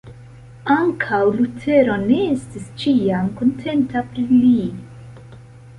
Ankaŭ Lutero ne estis ĉiam kontenta pri li.